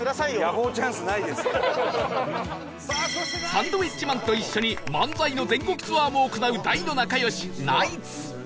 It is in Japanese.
サンドウィッチマンと一緒に漫才の全国ツアーも行う大の仲良しナイツ